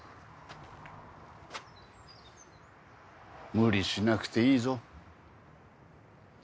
無理しなくていいぞ。